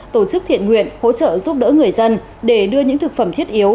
tổ chức thiện nguyện hỗ trợ giúp đỡ người dân để đưa những thực phẩm thiết yếu